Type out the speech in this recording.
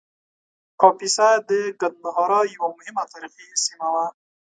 کاپیسا د ګندهارا یوه مهمه تاریخي سیمه وه